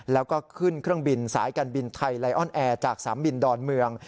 แล้วก็ขึ้นเครื่องบินสายการบินไทยไลออนแอร์จากสนามบินดอนเมือง